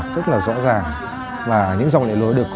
mây lá giang ơ ơ